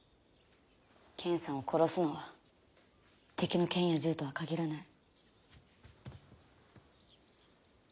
剣さんを殺すのは敵の剣や銃とは限らない。